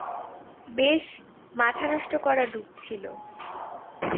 বেশ, মাথানষ্ট করা ডুব ছিল।